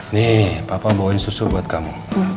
nih papa bawain susu buat kamu